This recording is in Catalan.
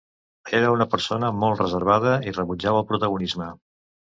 Era una persona molt reservada i rebutjava el protagonisme.